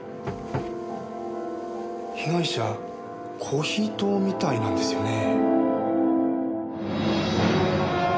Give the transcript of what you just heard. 被害者コーヒー党みたいなんですよね。